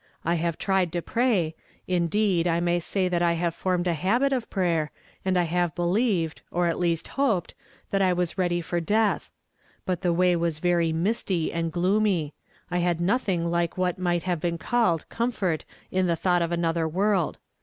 I have tried to pray; uideed, I may say (hat I have formed a hal)it of prayer, and J have believed, or at least hoped, that I was ivady for death ; but the way was very misty and gloomy. ] had nothing like what might have been called comfort in the thought of another world.